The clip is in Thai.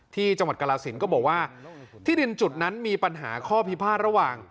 ที่จังหวัดกรสินก็บอกว่าที่ดินจุดนั้นมีปัญหาข้อพิพาทระหว่าง